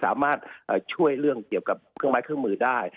สามารถช่วยเรื่องเกี่ยวกับเครื่องไม้เครื่องมือได้